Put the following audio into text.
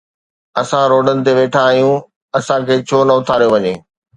اسان روڊن تي ويٺا آهيون، اسان کي ڇو نه اٿاريو وڃي؟